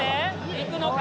行くのか？